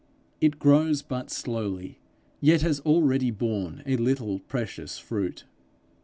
It grows but slowly, yet has already borne a little precious fruit.